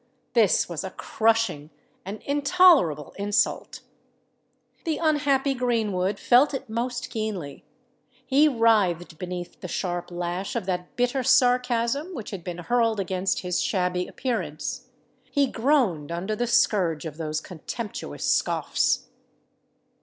this was a crushing—an intolerable insult! The unhappy Greenwood felt it most keenly: he writhed beneath the sharp lash of that bitter sarcasm which had been hurled against his shabby appearance;—he groaned under the scourge of those contemptuous scoffs!